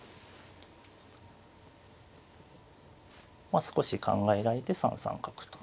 まあ少し考えられて３三角と。